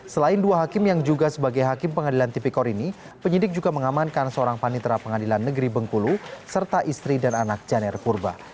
selain dua hakim yang juga sebagai hakim pengadilan tipikor ini penyidik juga mengamankan seorang panitera pengadilan negeri bengkulu serta istri dan anak janer purba